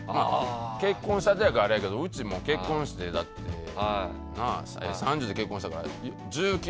結婚したてやからあれやけどうち結婚して３０で結婚したから、１９年。